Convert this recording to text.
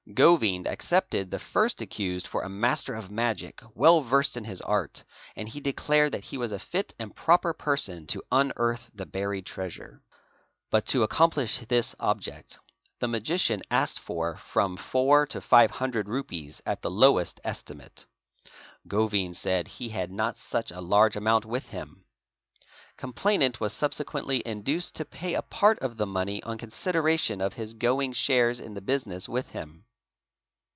Govind accepted the first accused for a master of magic well versed in his art, and declared that he was a fit and proper person to unearth the buried treasure. But to accomplish this object the magician asked for from four to five hundred rupees, at the lowest estimate. Govind 'said he had not such a large amount with him. Complainant was sub sequently induced to pay a part of the. money on consideration of his going shares in the business with him.